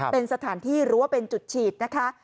เป็นสถานที่รั้วเป็นจุดฉีดนะคะ